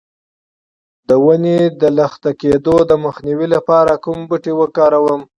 د وینې د لخته کیدو مخنیوي لپاره کوم بوټی وکاروم؟